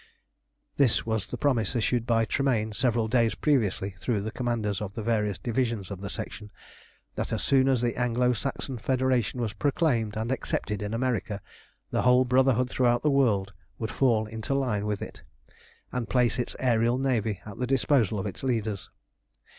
This was the promise, issued by Tremayne several days previously through the commanders of the various divisions of the Section, that as soon as the Anglo Saxon Federation was proclaimed and accepted in America, the whole Brotherhood throughout the world would fall into line with it, and place its aërial navy at the disposal of its leaders.